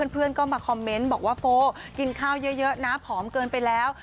เพื่อนก็มาคอมเมนต์บอกว่าโฟกินข้าวเยอะนะผอมเกินไปแล้ว